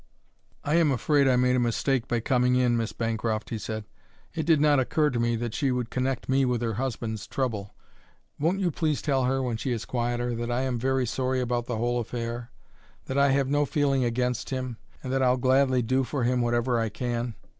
"I am afraid I made a mistake by coming in, Miss Bancroft," he said. "It did not occur to me that she would connect me with her husband's trouble. Won't you please tell her, when she is quieter, that I am very sorry about the whole affair, that I have no feeling against him, and that I'll gladly do for him whatever I can.